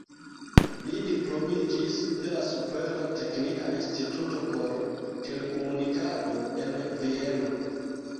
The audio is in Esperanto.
Li diplomiĝis de la Supera Teknika Instituto por Telekomunikado en Vieno.